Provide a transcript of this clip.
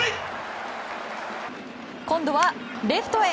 今度はレフトへ。